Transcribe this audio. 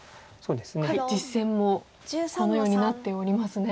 実戦もこのようになっておりますね。